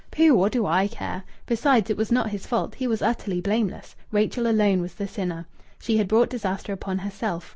"Pooh! What do I care?" Besides, it was not his fault. He was utterly blameless; Rachel alone was the sinner. She had brought disaster upon herself.